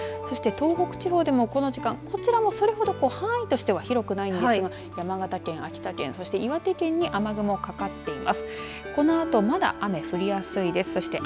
そして、東北地方でもこの時間こちらもそれほど範囲としては広くないんですが山形県、秋田県そして岩手県に雨雲がかかっています。